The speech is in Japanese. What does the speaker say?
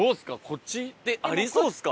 こっち行ってありそうですか？